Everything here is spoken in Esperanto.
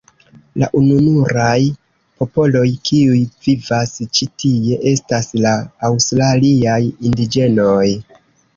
La ununuraj popoloj, kiuj vivas ĉi tie estas la aŭstraliaj indiĝenoj.